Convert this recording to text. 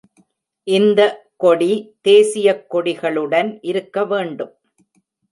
இந்த கொடி தேசியக் கொடிகளுடன் இருக்க வேண்டும்